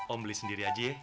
om beli sendiri aja